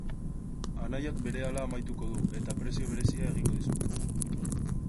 Anaiak berehala amaituko du, eta prezio berezia egingo dizu.